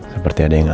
seperti ada yang aneh